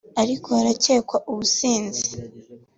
ariko harakekwa ubusinzi